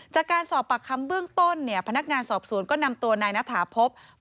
จากการสอบปากคำเบื้องต้นเนี่ยพนักงานสอบสวนก็นำตัวนายณฐาพบ